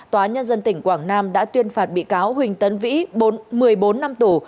tòa nhân dân tỉnh quảng nam đã tuyên phạt bị cáo huỳnh tấn vĩ một mươi bốn năm tù